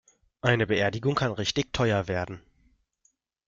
Eine Beerdigung kann richtig teuer werden.